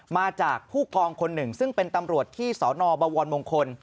มาจากผู้กองคนหนึ่งซึ่งเป็นตำรวจที่สนบวรมงคล